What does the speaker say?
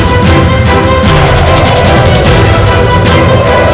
ban kurang ajar